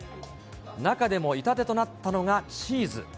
中でも痛手となったのがチーズ。